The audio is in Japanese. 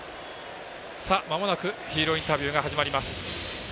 まもなくヒーローインタビューが始まります。